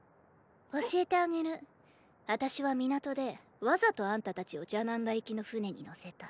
教えてあげる私は港でわざとあんた達をジャナンダ行きの船に乗せた。